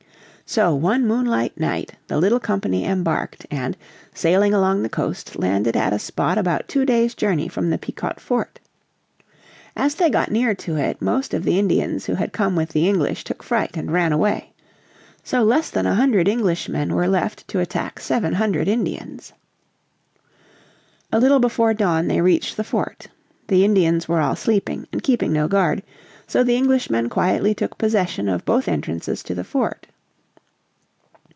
So one moonlight night the little company embarked, and, sailing along the coast, landed at a spot about two days' journey from the Pequot fort. As they got near to it most of the Indians who had come with the English took fright and ran away. So less than a hundred Englishmen were left to attack seven hundred Indians. A little before dawn they reached the fort. The Indians were all sleeping and keeping no guard, so the Englishmen quietly took possession of both entrances to the fort.